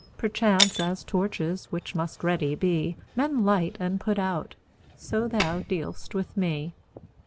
Perchance, as torches, which must ready be, Men light and put out, so thou dealst with me.